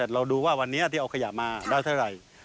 เราดูว่าวันนี้ที่เอาขยะมาได้เท่าไหร่